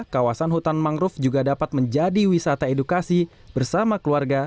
kawasan hutan mangrove juga dapat menjadi wisata edukasi bersama keluarga